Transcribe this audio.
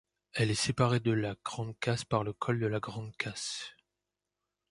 Elle est séparée de la Grande Casse par le col de la Grande Casse.